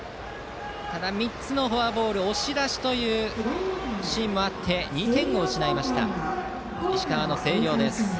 ただ、３つのフォアボール押し出しというシーンもあり２点を失いました石川の星稜。